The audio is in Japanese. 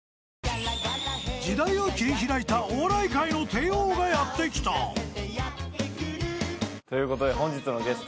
［時代を切り開いたお笑い界の帝王がやって来た！］ということで。